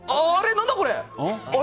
何だこれ！